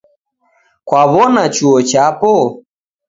Kwaw'ona chuo chapo?